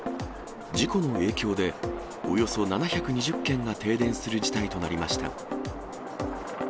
事故の影響で、およそ７２０軒が停電する事態となりました。